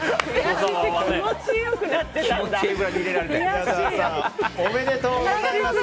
宮澤さんおめでとうございます。